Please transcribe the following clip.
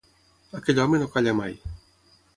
Aquell home no calla mai.